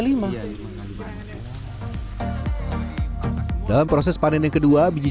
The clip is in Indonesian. lima hari dalam proses panen yang kedua biji